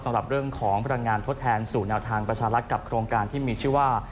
สำหรับเรื่องของพลังงานทดแทนสู่แนวทางประชารัฐกับโครงการที่มีชื่อว่า